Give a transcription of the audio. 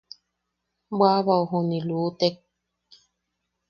Baʼabwao jumilutek.